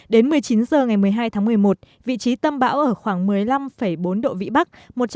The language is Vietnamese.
đến một mươi chín h ngày một mươi hai tháng một mươi một vị trí tâm bão ở khoảng một mươi năm bốn độ vĩ bắc